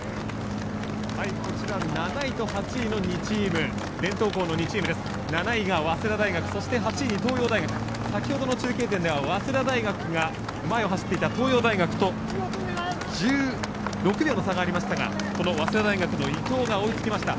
こちら７位と８位の２チーム伝統校２のチーム７位が早稲田、８位が東洋大学先ほどの中継点では早稲田が前を走っていた東洋大学と１６秒の差がありましたがこの早稲田大学の伊藤が追いつきました。